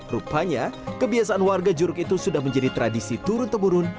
rupanya kebiasaan warga juruk itu sudah menjadi tradisi turun temurun